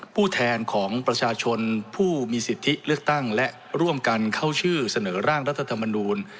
ผู้แทนของประชาชนผู้มีสิทธิเลือกตั้งและร่วมกันเข้าชื่อเสนอร่างรัฐธรรมนูล